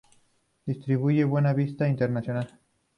Distribuye Buena Vista International.